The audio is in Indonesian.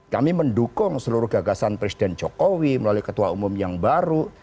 kami mendukung seluruh gagasan presiden jokowi melalui ketua umum yang baru